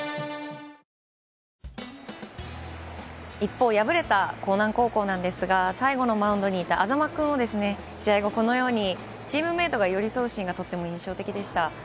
一方、敗れた興南高校なんですが、最後のマウンドにいた安座間君を試合後、このようにチームメートが寄り添うシーンがとっても印象的でした。